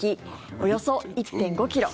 およそ１．５ｋｇ。